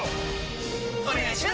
お願いします！！！